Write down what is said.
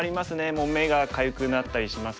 もう目がかゆくなったりしますけども。